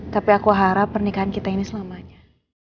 tapi aku harap pernikahan kita ini selamanya